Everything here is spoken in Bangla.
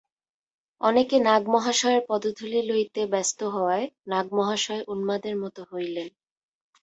অনেকে নাগ-মহাশয়ের পদধূলি লইতে ব্যস্ত হওয়ায় নাগ-মহাশয় উন্মাদের মত হইলেন।